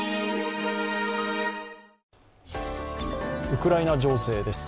ウクライナ情勢です。